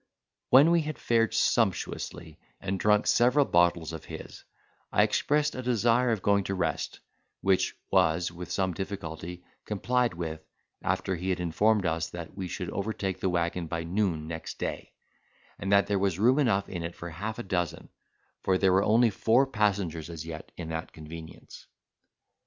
When we had fared sumptuously, and drunk several bottles of his I expressed a desire of going to rest, which was with some difficulty complied with, after he had informed us that we should overtake the waggon by noon next day; and that there was room enough in it for half a dozen, for there were only four passengers as yet in that convenience.